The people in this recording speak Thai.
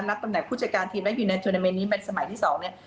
รับตำแหน่งผู้จัดการทีมและอยู่ในโทรแมนนี้มาสมัยที่สองเนี่ย